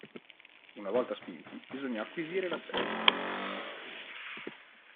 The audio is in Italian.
Una volta spinti bisogna acquisire l'assetto.